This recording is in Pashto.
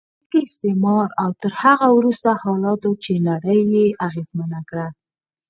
لکه استعمار او تر هغه وروسته حالاتو چې نړۍ یې اغېزمنه کړه.